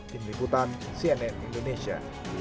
tim liputan cnn indonesia